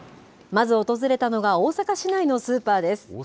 まず訪れたのが大阪市内のスーパーです。